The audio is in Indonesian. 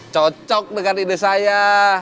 cocok dengan ide saya